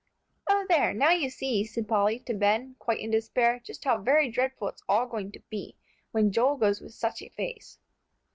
"O there! now you see," said Polly to Ben, quite in despair, "just how very dreadful it's all going to be, when Joel goes with such a face."